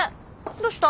どうした？